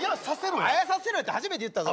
あやさせろって初めて言ったぞ。